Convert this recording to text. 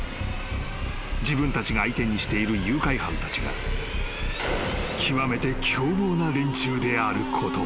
［自分たちが相手にしている誘拐犯たちが極めて凶暴な連中であることを］